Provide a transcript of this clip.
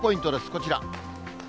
こちら。